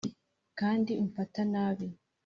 kandi umfata nabi